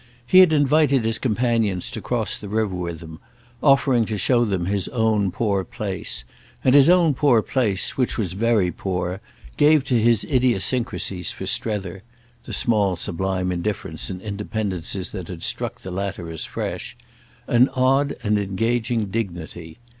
He had invited his companions to cross the river with him, offering to show them his own poor place; and his own poor place, which was very poor, gave to his idiosyncrasies, for Strether—the small sublime indifference and independences that had struck the latter as fresh—an odd and engaging dignity.